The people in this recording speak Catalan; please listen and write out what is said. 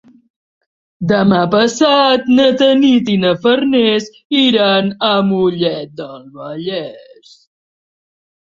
Demà passat na Tanit i na Farners iran a Mollet del Vallès.